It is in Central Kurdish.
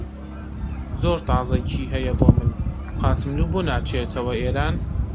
زۆر تازەگی هەیە بۆ من! قاسملوو بۆ ناچێتەوە ئێران؟